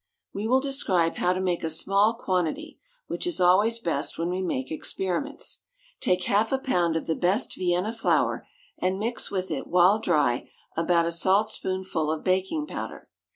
We will describe how to make a small quantity, which is always best when we make experiments. Take half a pound of the best Vienna flour, and mix with it, while dry, about a salt spoonful of baking powder.